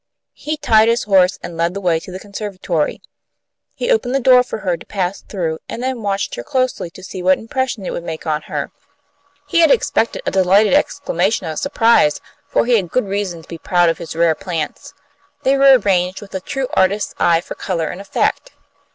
He tied his horse, and led the way to the conservatory. He opened the door for her to pass through, and then watched her closely to see what impression it would make on her. He had expected a delighted exclamation of surprise, for he had good reason to be proud of his rare plants. They were arranged with a true artist's eye for colour and effect.